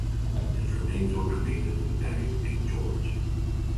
His remains were cremated and buried in George.